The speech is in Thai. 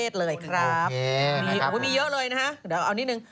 เดี๋ยวทาง